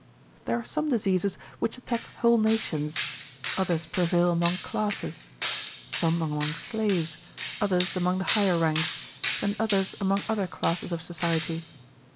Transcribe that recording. There are some diseases which attack whole nations; others prevail among classes; some among slaves,® others among the higher ranks, and others among other classes of society.